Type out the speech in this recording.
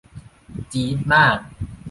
จี๊ดมาก